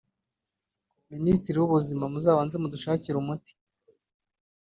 Minisiteri y’Ubuzima muzabanze mudushakire umuti